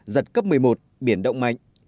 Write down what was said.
giật cấp một mươi một biển động mạnh